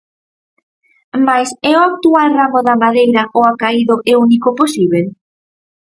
Mais é o actual ramo da madeira o acaído e único posíbel?